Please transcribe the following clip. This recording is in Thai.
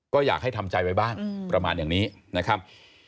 ก็อยากให้ทำใจไว้บ้างประมาณอย่างนี้นะครับ